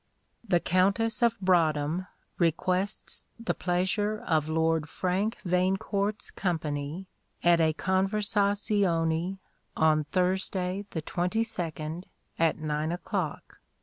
"The Countess of Broadhem requests the pleasure of Lord Frank Vanecourt's company at a conversazione on Thursday the 22d, at nine o'clock.